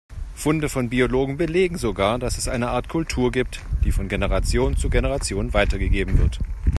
Funde von Biologen belegen sogar, dass es eine Art Kultur gibt, die von Generation zu Generation weitergegeben wird.